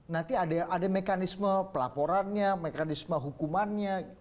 nanti ada mekanisme pelaporannya mekanisme hukumannya